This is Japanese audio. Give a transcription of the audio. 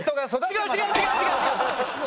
違う違う違う違う。